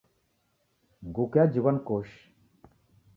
Nguku yajighwa ni koshi